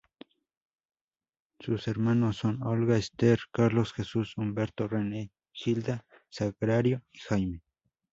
Sus hermanos son: Olga Esther, Carlos Jesus, Humberto Rene, Gilda, Sagrario y Jaime.